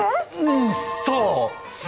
うんそう！